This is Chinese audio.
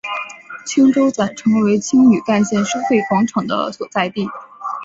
青洲仔成为青屿干线收费广场的所在地。